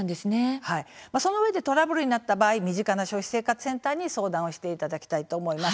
そのうえでトラブルになった場合身近な消費生活センターに相談をしていただきたいと思います。